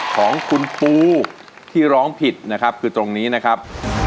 ของคุณปูที่ร้องผิดนะครับคือตรงนี้นะครับ